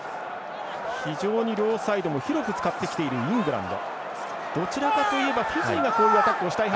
非常に両サイドも広く使ってきているイングランド。